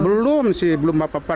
belum sih belum apa apa